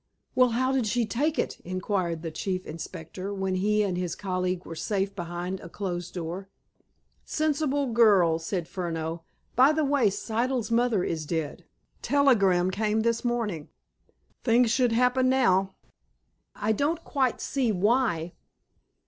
"Well, how did she take it?" inquired the Chief Inspector, when he and his colleague were safe behind a closed door. "Sensible girl," said Furneaux. "By the way, Siddle's mother is dead. Telegram came this morning. Things should happen now." "I don't quite see why."